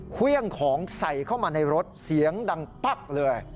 เครื่องของใส่เข้ามาในรถเสียงดังปั๊กเลย